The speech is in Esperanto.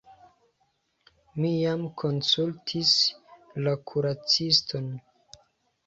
Mi jam konsultis la kuraciston.